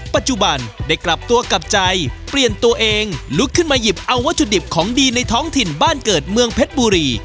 ปัจจุบันได้กลับตัวกลับใจเปลี่ยนตัวเองลุกขึ้นมาหยิบเอาวัตถุดิบของดีในท้องถิ่นบ้านเกิดเมืองเพชรบุรี